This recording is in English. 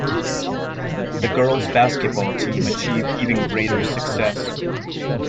The girls' basketball team achieved even greater success.